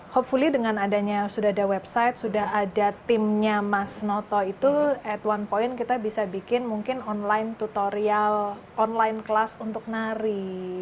hopefully dengan adanya sudah ada website sudah ada timnya mas noto itu at one point kita bisa bikin mungkin online tutorial online kelas untuk nari